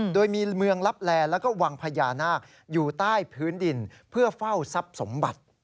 โดยมีเมืองลับแลแล้วก็วังพญานาคอยู่ใต้พื้นดินเพื่อเฝ้าทรัพย์สมบัติ